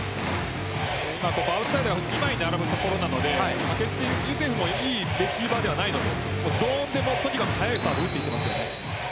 アウトサイドが２枚並ぶところなのでユセフもいいレシーバーではないのでどんどん速いサーブを打っています。